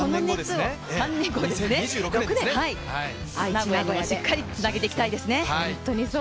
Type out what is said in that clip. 名古屋にしっかりつなげていきたいですね。